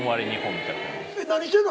何してんの？